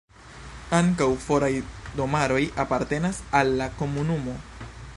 Ankaŭ foraj domaroj apartenas al la komunumo.